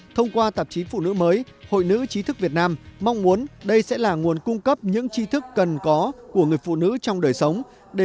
thông qua tạp chí phụ nữ mới hội nữ chí thức việt nam mong muốn đây sẽ là nguồn cung cấp những chi thức cần có của người phụ nữ trong đời sống